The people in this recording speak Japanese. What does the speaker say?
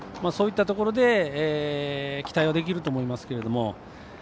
そういったところで期待はできると思いますけど。